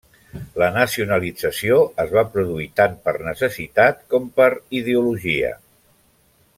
La nacionalització es va produir tant per necessitat com per ideologia.